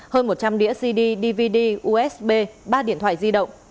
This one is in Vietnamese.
hơn một trăm linh đĩa cd dvd usb ba điện thoại di động